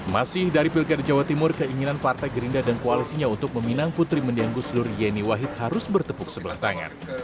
masih dari pilkar jawa timur keinginan partai gerindra dan koalisinya untuk meminang putri mendiang gusdur yeni wahid harus bertepuk sebelah tangan